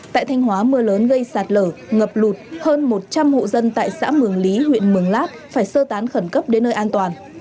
tại thanh hóa mưa lớn gây sạt lở ngập lụt hơn một trăm linh hộ dân tại xã mường lý huyện mường lát phải sơ tán khẩn cấp đến nơi an toàn